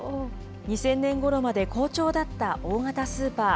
２０００年ごろまで好調だった大型スーパー。